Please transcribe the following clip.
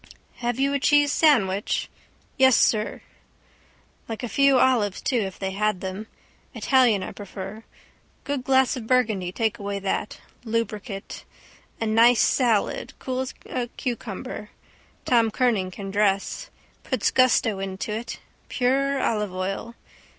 —Have you a cheese sandwich? —Yes, sir. Like a few olives too if they had them. Italian I prefer. Good glass of burgundy take away that. Lubricate. A nice salad, cool as a cucumber, Tom Kernan can dress. Puts gusto into it. Pure olive oil.